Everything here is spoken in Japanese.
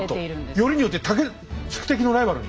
なんとよりによって武田宿敵のライバルに！